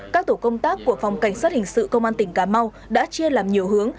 các tổ công tác của phòng cảnh sát hình sự công an tỉnh cà mau đã chia làm nhiều hướng